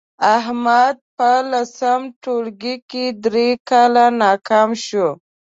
احمد په لسم ټولگي کې درې کاله ناکام شو